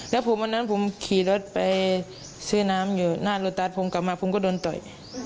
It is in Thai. แล้วผมวันนั้นผมขี่รถไปซื้อน้ำอยู่หน้ารถตัสผมกลับมาผมก็โดนต่อย